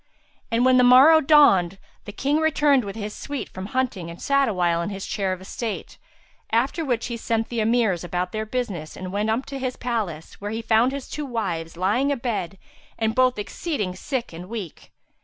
And when the morrow dawned, the King returned with his suite from hunting and sat awhile in his chair of estate; after which he sent the Emirs about their business and went up to his palace, where he found his two wives lying a bed and both exceeding sick and weak.